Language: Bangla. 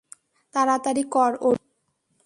তাড়াতাড়ি কর, অর্জুন!